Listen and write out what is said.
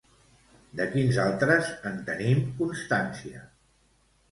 De quins altres en tenim constància?